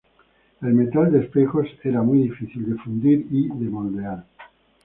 El metal de espejos era muy difícil de fundir y de moldear.